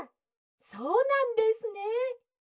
「そうなんですね」。